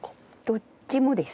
どっちもです。